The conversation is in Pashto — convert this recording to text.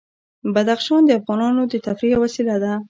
بدخشان د افغانانو د تفریح یوه وسیله ده.